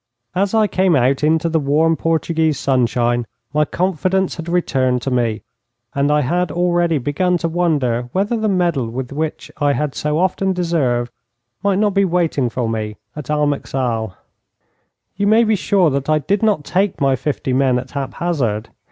As I came out into the warm Portuguese sunshine my confidence had returned to me, and I had already begun to wonder whether the medal which I had so often deserved might not be waiting for me at Almeixal. You may be sure that I did not take my fifty men at hap hazard.